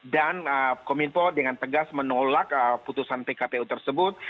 dan kemenkominfo dengan tegas menolak putusan pkpu tersebut